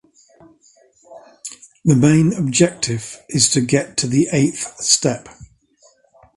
The main objective is to get to the eighth step.